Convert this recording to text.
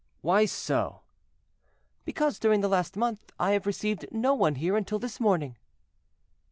"Why so?" "Because, during the last month I have received no one here until this morning."